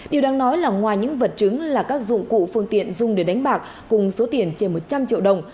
điều đáng nói là ngoài những vật chứng là các dụng cụ phương tiện dùng để đánh bạc cùng số tiền trên một trăm linh triệu đồng